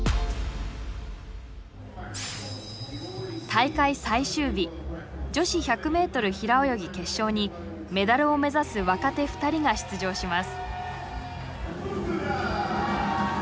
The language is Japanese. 大会最終日女子１００ｍ平泳ぎ決勝にメダルを目指す若手２人が出場します。